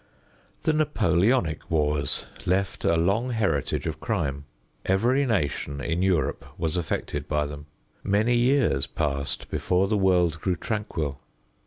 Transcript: The Napoleonic Wars left a long heritage of crime. Every nation in Europe was affected by them. Many years passed before the world grew tranquil.